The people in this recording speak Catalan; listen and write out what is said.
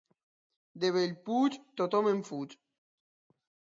De Bellpuig, tothom en fuig.